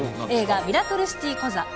映画、ミラクルシティコザ。